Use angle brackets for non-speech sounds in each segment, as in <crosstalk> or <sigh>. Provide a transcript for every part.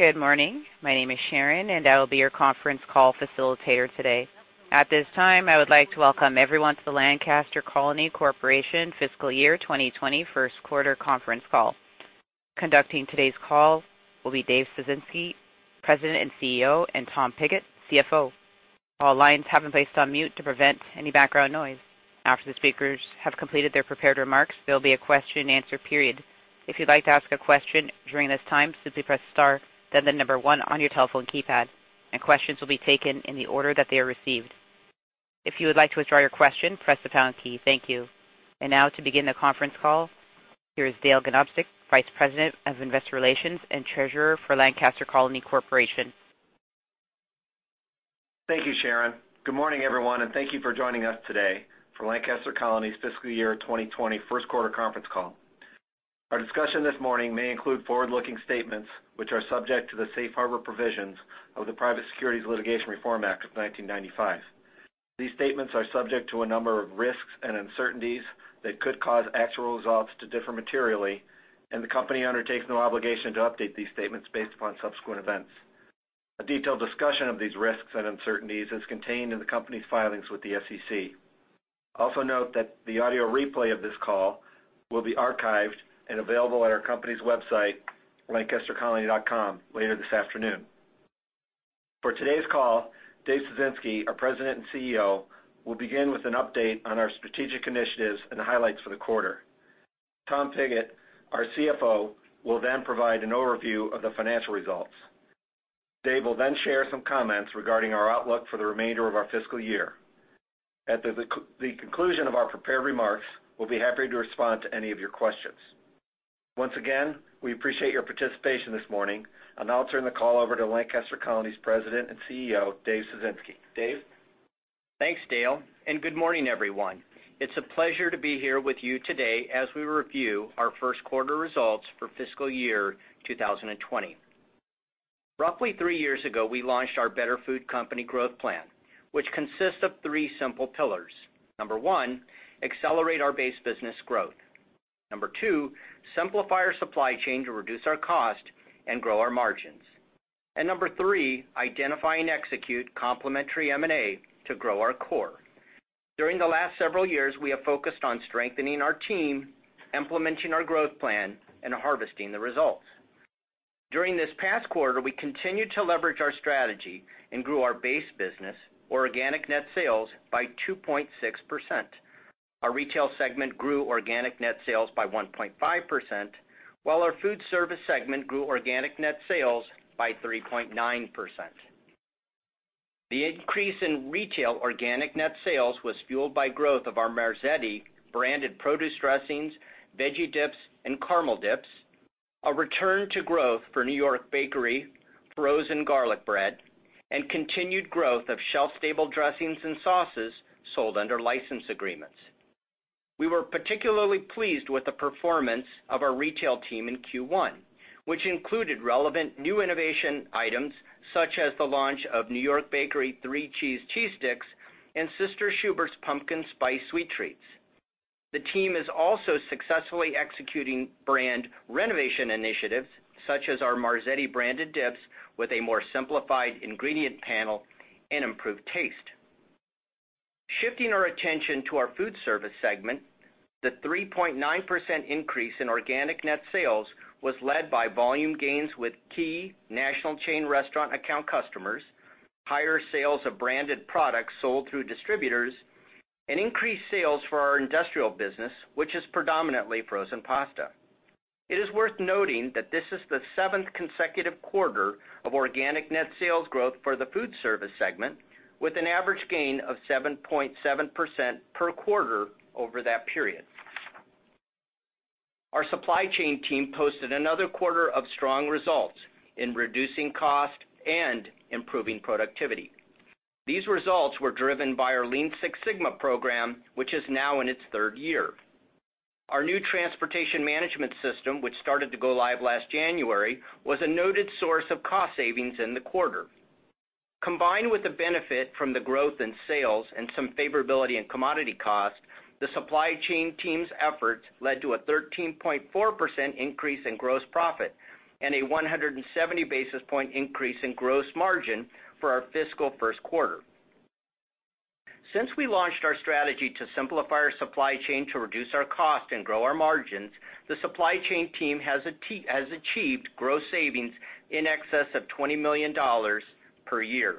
Good morning. My name is Sharon, and I will be your conference call facilitator today. At this time, I would like to welcome everyone to the Lancaster Colony Corporation Fiscal Year 2020 First Quarter Conference Call. Conducting today's call will be Dave Ciesinski, President and CEO, and Tom Pigott, CFO. All lines have been placed on mute to prevent any background noise. After the speakers have completed their prepared remarks, there will be a question-and-answer period. If you'd like to ask a question during this time, simply press star, then the number one on your telephone keypad, and questions will be taken in the order that they are received. If you would like to withdraw your question, press the pound key. Thank you. Now, to begin the conference call, here is Dale Ganobsik, Vice President of Investor Relations and Treasurer for Lancaster Colony Corporation. Thank you, Sharon. Good morning, everyone, and thank you for joining us today for Lancaster Colony's Fiscal Year 2020 First Quarter Conference Call. Our discussion this morning may include forward-looking statements, which are subject to the Safe Harbor Provisions of the Private Securities Litigation Reform Act of 1995. These statements are subject to a number of risks and uncertainties that could cause actual results to differ materially, and the company undertakes no obligation to update these statements based upon subsequent events. A detailed discussion of these risks and uncertainties is contained in the company's filings with the SEC. Also note that the audio replay of this call will be archived and available at our company's website, lancastercolony.com, later this afternoon. For today's call, Dave Ciesinski, our President and CEO, will begin with an update on our strategic initiatives and the highlights for the quarter. Tom Pigott, our CFO, will then provide an overview of the financial results. Dave will then share some comments regarding our outlook for the remainder of our fiscal year. At the conclusion of our prepared remarks, we'll be happy to respond to any of your questions. Once again, we appreciate your participation this morning, and I'll turn the call over to Lancaster Colony's President and CEO, Dave Ciesinski. Dave? Thanks, Dale, and good morning, everyone. It's a pleasure to be here with you today as we review our first quarter results for fiscal year 2020. Roughly three years ago, we launched our Better Food Company Growth Plan, which consists of three simple pillars. Number one, accelerate our base business growth. Number two, simplify our supply chain to reduce our cost and grow our margins. Number three, identify and execute complementary M&A to grow our core. During the last several years, we have focused on strengthening our team, implementing our growth plan, and harvesting the results. During this past quarter, we continued to leverage our strategy and grew our base business, organic net sales, by 2.6%. Our retail segment grew organic net sales by 1.5%, while our food service segment grew organic net sales by 3.9%. The increase in retail organic net sales was fueled by growth of our Marzetti branded produce dressings, veggie dips, and caramel dips, a return to growth for New York Bakery frozen garlic bread, and continued growth of shelf-stable dressings and sauces sold under license agreements. We were particularly pleased with the performance of our retail team in Q1, which included relevant new innovation items such as the launch of New York Bakery three cheese cheese sticks and Sister Schubert's pumpkin spice sweet treats. The team is also successfully executing brand renovation initiatives such as our Marzetti branded dips with a more simplified ingredient panel and improved taste. Shifting our attention to our food service segment, the 3.9% increase in organic net sales was led by volume gains with key national chain restaurant account customers, higher sales of branded products sold through distributors, and increased sales for our industrial business, which is predominantly frozen pasta. It is worth noting that this is the seventh consecutive quarter of organic net sales growth for the food service segment, with an average gain of 7.7% per quarter over that period. Our supply chain team posted another quarter of strong results in reducing cost and improving productivity. These results were driven by our Lean Six Sigma program, which is now in its third year. Our new transportation management system, which started to go live last January, was a noted source of cost savings in the quarter. Combined with the benefit from the growth in sales and some favorability in commodity cost, the supply chain team's efforts led to a 13.4% increase in gross profit and a 170 basis point increase in gross margin for our fiscal first quarter. Since we launched our strategy to simplify our supply chain to reduce our cost and grow our margins, the supply chain team has achieved gross savings in excess of $20 million per year.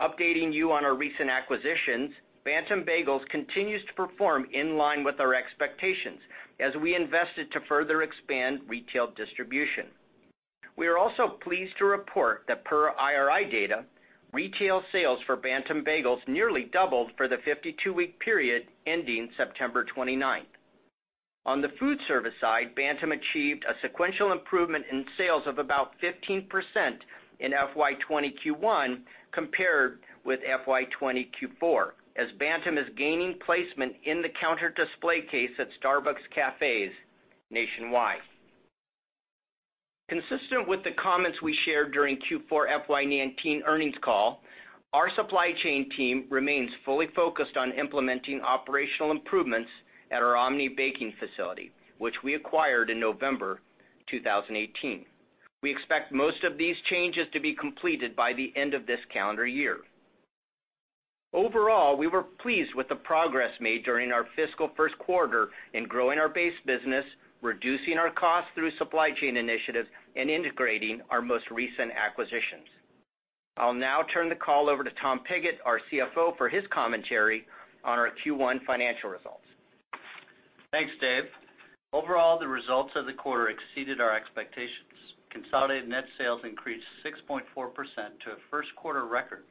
Updating you on our recent acquisitions, Bantam Bagels continues to perform in line with our expectations as we invested to further expand retail distribution. We are also pleased to report that, per IRI data, retail sales for Bantam Bagels nearly doubled for the 52-week period ending September 29th. On the food service side, Bantam achieved a sequential improvement in sales of about 15% in FY20 Q1 compared with FY20 Q4, as Bantam is gaining placement in the counter display case at Starbucks cafes nationwide. Consistent with the comments we shared during Q4 FY19 earnings call, our supply chain team remains fully focused on implementing operational improvements at our Omni Baking facility, which we acquired in November 2018. We expect most of these changes to be completed by the end of this calendar year. Overall, we were pleased with the progress made during our fiscal first quarter in growing our base business, reducing our cost through supply chain initiatives, and integrating our most recent acquisitions. I'll now turn the call over to Tom Pigott, our CFO, for his commentary on our Q1 financial results. Thanks, Dave. Overall, the results of the quarter exceeded our expectations. Consolidated net sales increased 6.4% to a first quarter record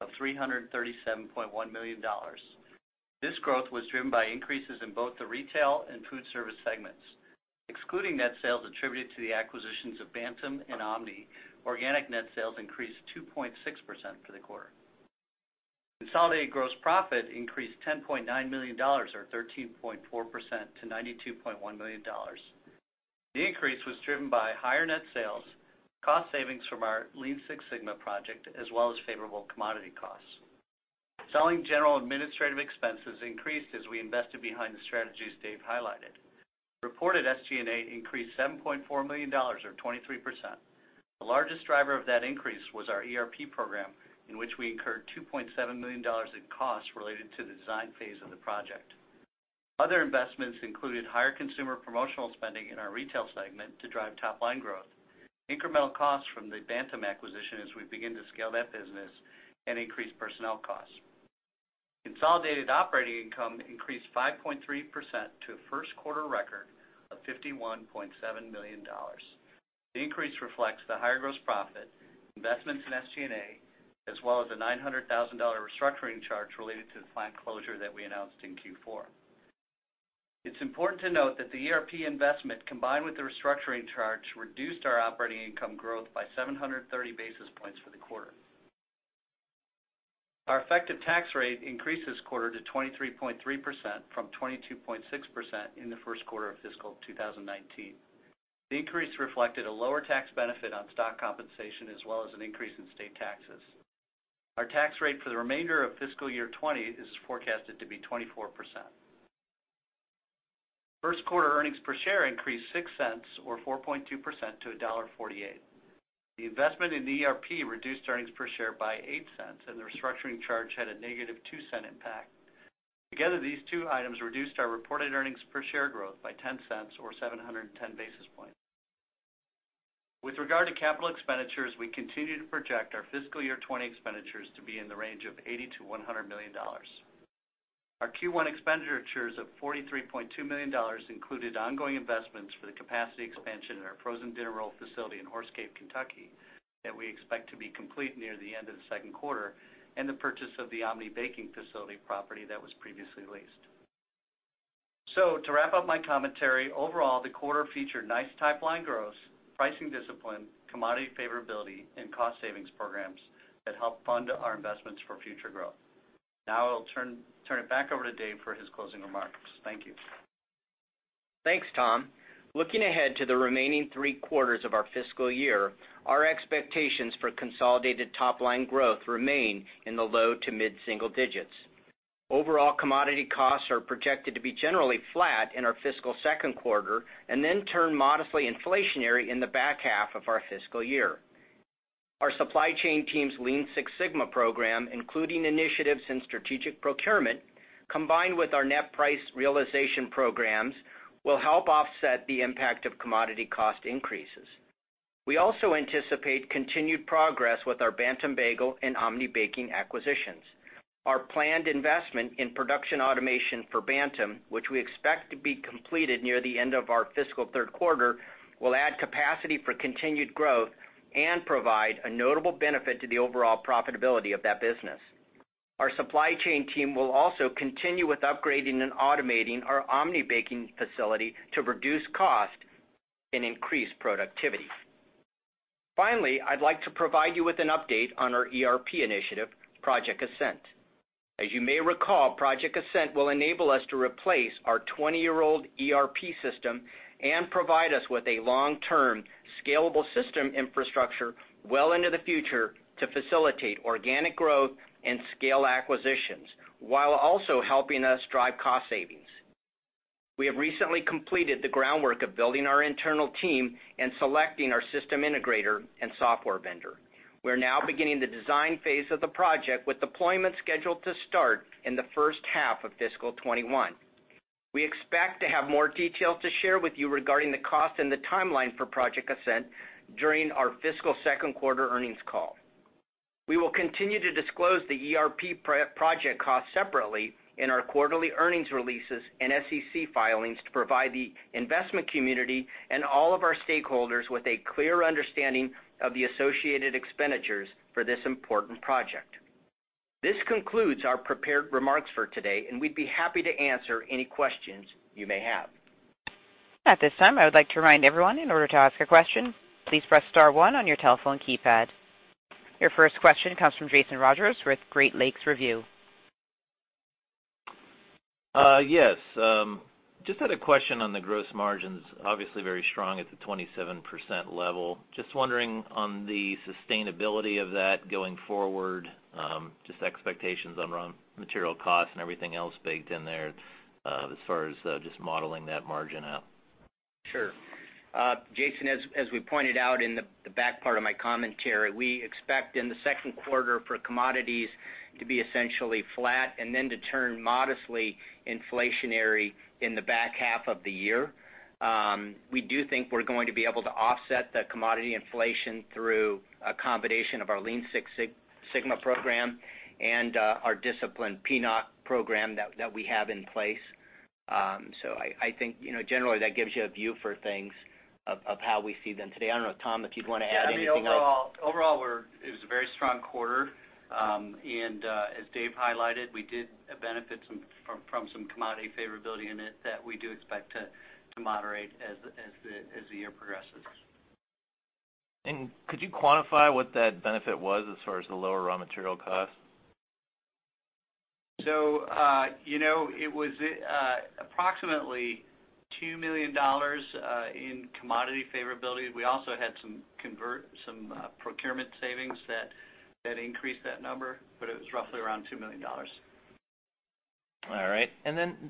of $337.1 million. This growth was driven by increases in both the retail and food service segments. Excluding net sales attributed to the acquisitions of Bantam and Omni, organic net sales increased 2.6% for the quarter. Consolidated gross profit increased $10.9 million or 13.4% to $92.1 million. The increase was driven by higher net sales, cost savings from our Lean Six Sigma project, as well as favorable commodity costs. Selling general administrative expenses increased as we invested behind the strategies Dave highlighted. Reported SG&A increased $7.4 million or 23%. The largest driver of that increase was our ERP program, in which we incurred $2.7 million in costs related to the design phase of the project. Other investments included higher consumer promotional spending in our retail segment to drive top-line growth, incremental costs from the Bantam acquisition as we begin to scale that business, and increased personnel costs. Consolidated operating income increased 5.3% to a first quarter record of $51.7 million. The increase reflects the higher gross profit, investments in SG&A, as well as a $900,000 restructuring charge related to the plant closure that we announced in Q4. It's important to note that the ERP investment, combined with the restructuring charge, reduced our operating income growth by 730 basis points for the quarter. Our effective tax rate increased this quarter to 23.3% from 22.6% in the first quarter of fiscal 2019. The increase reflected a lower tax benefit on stock compensation, as well as an increase in state taxes. Our tax rate for the remainder of fiscal year 2020 is forecasted to be 24%. First quarter earnings per share increased 6 cents or 4.2% to $1.48. The investment in ERP reduced earnings per share by 8 cents, and the restructuring charge had a negative 2-cent impact. Together, these two items reduced our reported earnings per share growth by 10 cents or 710 basis points. With regard to capital expenditures, we continue to project our fiscal year 2020 expenditures to be in the range of $80-$100 million. Our Q1 expenditures of $43.2 million included ongoing investments for the capacity expansion at our frozen dinner roll facility in Horse Cave, Kentucky, that we expect to be complete near the end of the second quarter, and the purchase of the Omni Baking facility property that was previously leased. To wrap up my commentary, overall, the quarter featured nice pipeline growth, pricing discipline, commodity favorability, and cost savings programs that helped fund our investments for future growth. Now I'll turn it back over to Dave for his closing remarks. Thank you. Thanks, Tom. Looking ahead to the remaining three quarters of our fiscal year, our expectations for consolidated top-line growth remain in the low to mid-single digits. Overall, commodity costs are projected to be generally flat in our fiscal second quarter and then turn modestly inflationary in the back half of our fiscal year. Our supply chain team's Lean Six Sigma program, including initiatives in strategic procurement combined with our net price realization programs, will help offset the impact of commodity cost increases. We also anticipate continued progress with our Bantam Bagels and Omni Baking acquisitions. Our planned investment in production automation for Bantam, which we expect to be completed near the end of our fiscal third quarter, will add capacity for continued growth and provide a notable benefit to the overall profitability of that business. Our supply chain team will also continue with upgrading and automating our Omni Baking facility to reduce cost and increase productivity. Finally, I'd like to provide you with an update on our ERP initiative, Project Ascent. As you may recall, Project Ascent will enable us to replace our 20-year-old ERP system and provide us with a long-term scalable system infrastructure well into the future to facilitate organic growth and scale acquisitions while also helping us drive cost savings. We have recently completed the groundwork of building our internal team and selecting our system integrator and software vendor. We're now beginning the design phase of the project with deployment scheduled to start in the first half of fiscal 2021. We expect to have more details to share with you regarding the cost and the timeline for Project Ascent during our fiscal second quarter earnings call. We will continue to disclose the ERP project costs separately in our quarterly earnings releases and SEC filings to provide the investment community and all of our stakeholders with a clear understanding of the associated expenditures for this important project. This concludes our prepared remarks for today, and we'd be happy to answer any questions you may have. At this time, I would like to remind everyone in order to ask a question, please press star one on your telephone keypad. Your first question comes from Jason Rodgers with Great Lakes Review. Yes. Just had a question on the gross margins. Obviously, very strong at the 27% level. Just wondering on the sustainability of that going forward, just expectations on raw material costs and everything else baked in there as far as just modeling that margin out. Sure. Jason, as we pointed out in the back part of my commentary, we expect in the second quarter for commodities to be essentially flat and then to turn modestly inflationary in the back half of the year. We do think we're going to be able to offset the commodity inflation through a combination of our Lean Six Sigma program and our discipline PNOC program that we have in place. I think, generally, that gives you a view for things of how we see them today. I don't know, Tom, if you'd want to add anything on. Overall, it was a very strong quarter. As Dave highlighted, we did benefit from some commodity favorability in it that we do expect to moderate as the year progresses. Could you quantify what that benefit was as far as the lower raw material cost? It was approximately $2 million in commodity favorability. We also had some procurement savings that increased that number, but it was roughly around $2 million. All right.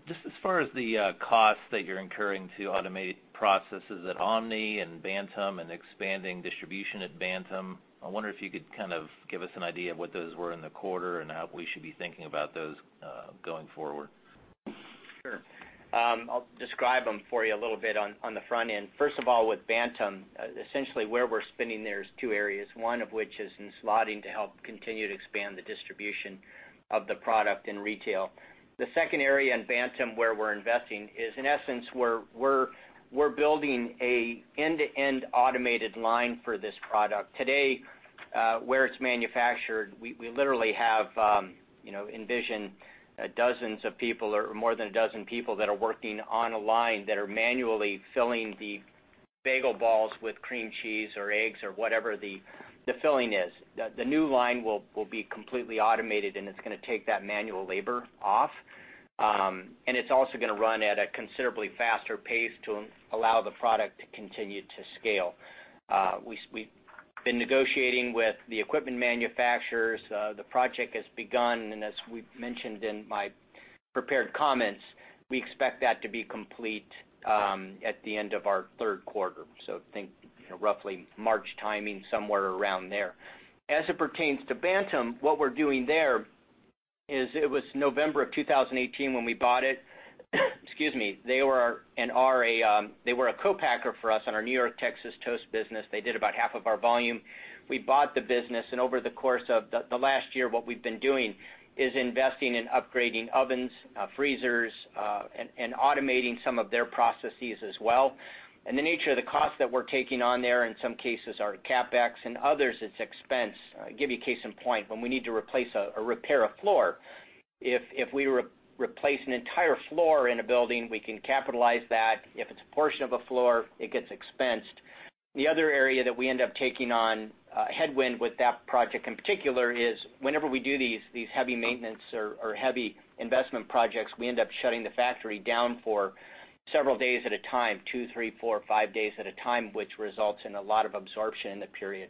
Just as far as the costs that you're incurring to automate processes at Omni and Bantam and expanding distribution at Bantam, I wonder if you could kind of give us an idea of what those were in the quarter and how we should be thinking about those going forward. Sure. I'll describe them for you a little bit on the front end. First of all, with Bantam, essentially where we're spending, there's two areas, one of which is in slotting to help continue to expand the distribution of the product in retail. The second area in Bantam where we're investing is, in essence, we're building an end-to-end automated line for this product. Today, where it's manufactured, we literally have envisioned dozens of people or more than a dozen people that are working on a line that are manually filling the bagel balls with cream cheese or eggs or whatever the filling is. The new line will be completely automated, and it's going to take that manual labor off. It's also going to run at a considerably faster pace to allow the product to continue to scale. We've been negotiating with the equipment manufacturers. The project has begun, and as we mentioned in my prepared comments, we expect that to be complete at the end of our third quarter. I think roughly March timing, somewhere around there. As it pertains to Bantam, what we're doing there is it was November of 2018 when we bought it. Excuse me. They were an RA; they were a co-packer for us on our New York, Texas toast business. They did about half of our volume. We bought the business, and over the course of the last year, what we've been doing is investing in upgrading ovens, freezers, and automating some of their processes as well. The nature of the costs that we're taking on there, in some cases, are CapEx, and others, it's expense. I'll give you a case in point. When we need to replace or repair a floor, if we replace an entire floor in a building, we can capitalize that. If it's a portion of a floor, it gets expensed. The other area that we end up taking on headwind with that project in particular is whenever we do these heavy maintenance or heavy investment projects, we end up shutting the factory down for several days at a time, two, three, four, five days at a time, which results in a lot of absorption in the period.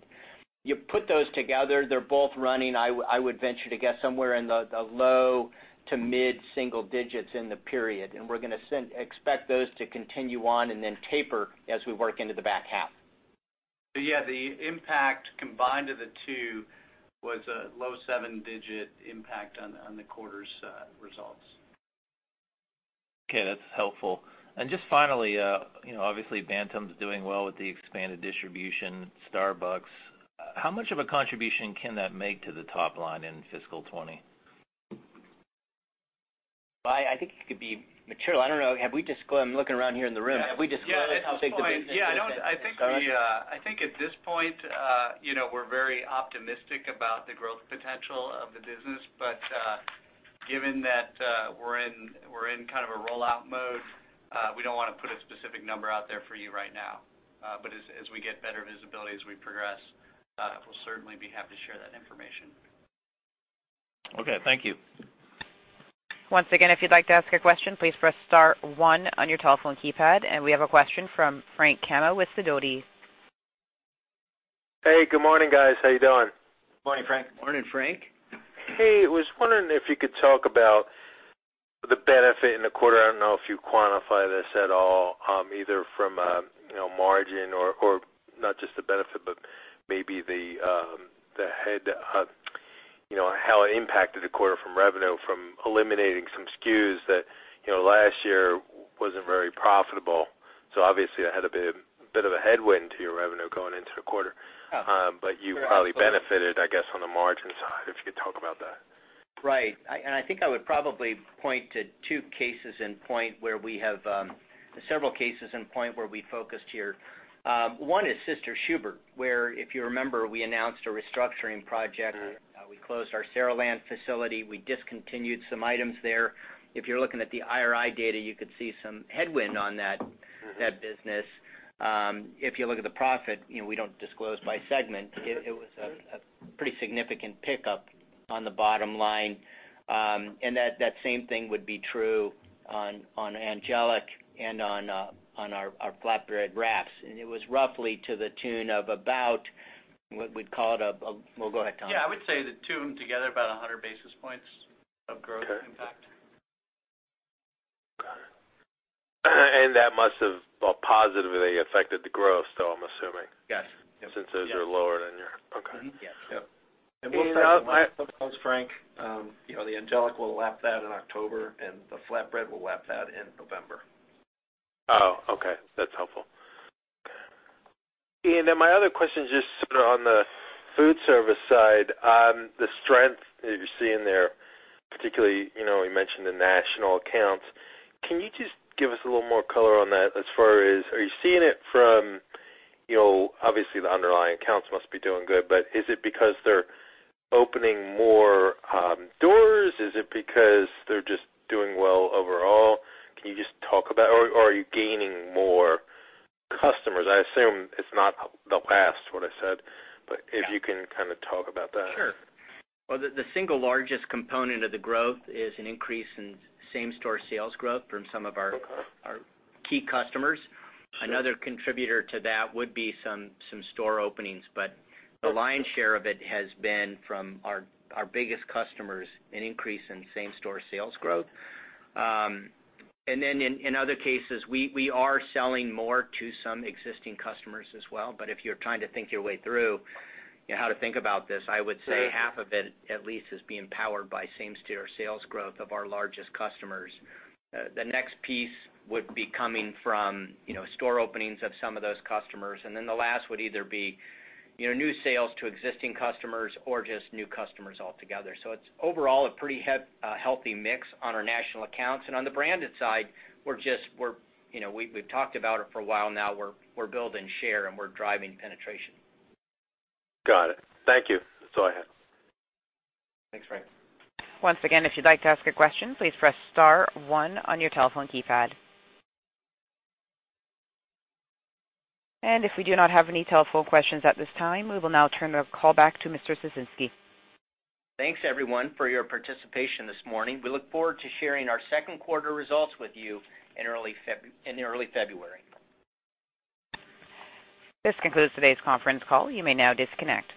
You put those together, they're both running, I would venture to guess, somewhere in the low to mid-single digits in the period. We are going to expect those to continue on and then taper as we work into the back half. Yeah, the impact combined of the two was a low seven-digit impact on the quarter's results. Okay. That's helpful. Just finally, obviously, Bantam's doing well with the expanded distribution, Starbucks. How much of a contribution can that make to the top line in fiscal 2020? I think it could be material. I don't know. Have we disclosed? I'm looking around here in the room. Have we disclosed? Yeah. I think at this point, we're very optimistic about the growth potential of the business. Given that we're in kind of a rollout mode, we don't want to put a specific number out there for you right now. As we get better visibility as we progress, we'll certainly be happy to share that information. Okay. Thank you. Once again, if you'd like to ask a question, please press star one on your telephone keypad. We have a question from Frank Camma with Sidoti. Hey. Good morning, guys. How you doing? Good morning, Frank. Morning, Frank. Hey. I was wondering if you could talk about the benefit in the quarter. I don't know if you quantify this at all, either from margin or not just the benefit, but maybe the head, how it impacted the quarter from revenue, from eliminating some SKUs that last year wasn't very profitable. Obviously, it had a bit of a headwind to your revenue going into the quarter. You probably benefited, I guess, on the margin side if you could talk about that. Right. I think I would probably point to two cases in point where we have several cases in point where we focused here. One is Sister Schubert, where if you remember, we announced a restructuring project. We closed our Saraland facility. We discontinued some items there. If you're looking at the IRI data, you could see some headwind on that business. If you look at the profit, we don't disclose by segment. It was a pretty significant pickup on the bottom line. That same thing would be true on Angelic and on our flatbread wraps. It was roughly to the tune of about what we'd call it a—go ahead, Tom. Yeah. I would say the two together about 100 basis points of growth impact. Got it. That must have positively affected the growth, though, I'm assuming. Yes. Yep. Since those are lower than your—okay. Yeah. So. <audio distortion> That's what I suppose, Frank. The Angelic was lapped out in October, and the flatbread was lapped out in November. Oh, okay. That's helpful. My other question is just sort of on the food service side, the strength that you're seeing there, particularly you mentioned the national accounts. Can you just give us a little more color on that as far as are you seeing it from, obviously, the underlying accounts must be doing good, but is it because they're opening more doors? Is it because they're just doing well overall? Can you just talk about—or are you gaining more customers? I assume it's not the last, what I said, but if you can kind of talk about that. Sure. The single largest component of the growth is an increase in same-store sales growth from some of our key customers. Another contributor to that would be some store openings, but the lion's share of it has been from our biggest customers, an increase in same-store sales growth. In other cases, we are selling more to some existing customers as well. If you're trying to think your way through how to think about this, I would say half of it at least is being powered by same-store sales growth of our largest customers. The next piece would be coming from store openings of some of those customers. The last would either be new sales to existing customers or just new customers altogether. It is overall a pretty healthy mix on our national accounts. On the branded side, we've talked about it for a while now. We're building share, and we're driving penetration. Got it. Thank you. That's all I had. Thanks, Frank. Once again, if you'd like to ask a question, please press star one on your telephone keypad. If we do not have any telephone questions at this time, we will now turn the call back to Mr. Ciesinski. Thanks, everyone, for your participation this morning. We look forward to sharing our second quarter results with you in early February. This concludes today's conference call. You may now disconnect.